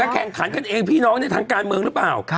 แข่งขันกันเองพี่น้องในทางการเมืองหรือเปล่า